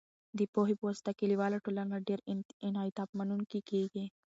د پوهې په واسطه، کلیواله ټولنه ډیر انعطاف منونکې کېږي.